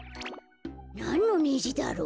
なんのねじだろう？